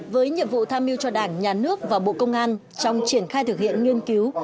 với nhiệm vụ tham mưu cho đảng nhà nước và bộ công an trong triển khai thực hiện nghiên cứu